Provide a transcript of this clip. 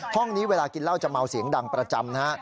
ห้องนี้เวลากินเหล้าจะเมาเสียงดังประจำนะฮะ